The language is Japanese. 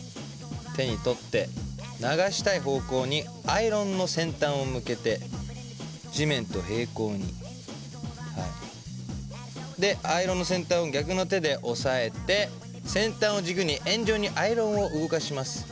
手に取って流したい方向にアイロンの先端を向けて地面と平行にアイロンの先端を逆の手で押さえて先端を軸に円状にアイロンを動かします。